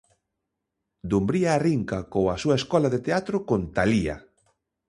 Dumbría arrinca coa súa escola de teatro con Talía.